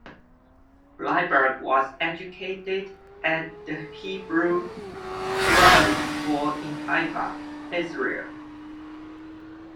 Bleiberg was educated at the Hebrew Reali School in Haifa, Israel.